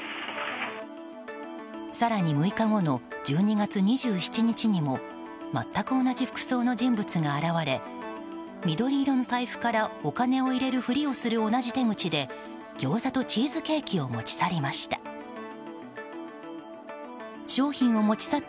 更に６日後の１２月２７日にもまったく同じ服装の人物が現れ緑色の財布からお金を入れるふりをする同じ手口でギョーザとチーズケーキを持ち去りました。